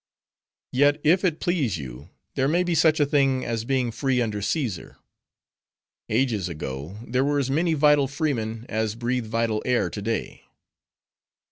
"Yet, if it please you, there may be such a thing as being free under Caesar. Ages ago, there were as many vital freemen, as breathe vital air to day.